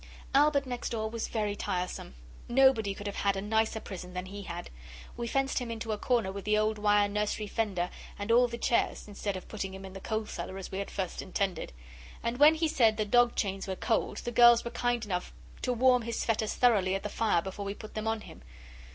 Albert next door was very tiresome. Nobody could have had a nicer prison than he had. We fenced him into a corner with the old wire nursery fender and all the chairs, instead of putting him in the coal cellar as we had first intended. And when he said the dog chains were cold the girls were kind enough to warm his fetters thoroughly at the fire before we put them on him.